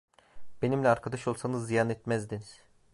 Benimle arkadaş olsanız ziyan etmezdiniz!